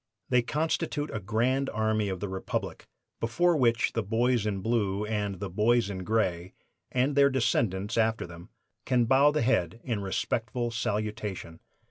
They constitute "a grand army of the Republic" before which the boys in Blue and the boys in Gray, and their descendants after them, can bow the head in respectful salutation.